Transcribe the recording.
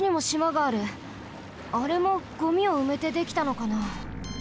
あれもゴミをうめてできたのかな？